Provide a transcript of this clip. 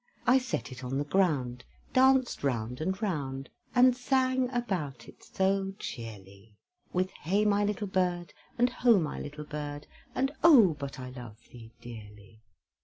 I set it on the ground, Danced round and round, And sang about it so cheerly, With "Hey, my little bird, And ho! my little bird, And oh! but I love thee dearly!"